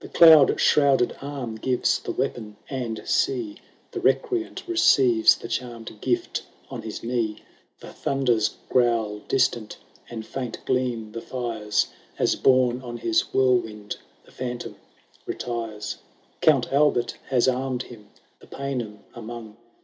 The cloud shrouded arm gives the weapon ; and see ! The recreant receives the charmed gift on his knee : The thunders growl distant, and faint gleam the fires, As, borne on his whirlwind, the Phantom retires. Count Albert has armed him the Paynim among.